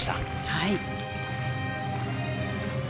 はい。